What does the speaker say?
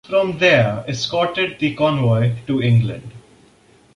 From there escorted the convoy to England.